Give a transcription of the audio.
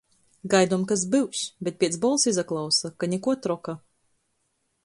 Gaidom, kas byus, bet piec bolsa izaklausa, ka nikuo troka.